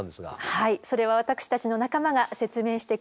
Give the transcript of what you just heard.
はいそれは私たちの仲間が説明してくれます。